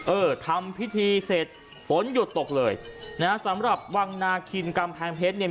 เออทำพิธีเสร็จฝนหยุดตกเลยนะฮะสำหรับวังนาคินกำแพงเพชรเนี่ย